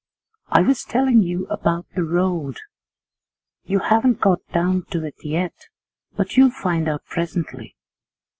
I was telling you about the road. You haven't got down to it yet, but you'll find out presently.